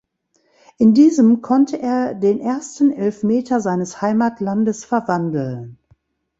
In diesem konnte er den ersten Elfmeter seines Heimatlandes verwandeln.